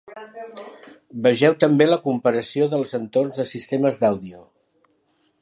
Vegeu també la comparació dels entorns de sistemes d'àudio.